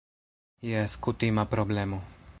Jes, kutima problemo